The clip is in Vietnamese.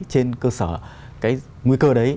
trên cơ sở cái nguy cơ đấy